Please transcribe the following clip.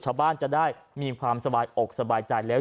ชาวบ้านจะได้มีความสบายอกสบายใจแล้ว